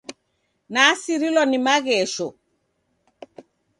Nasirilwa ni maghesho.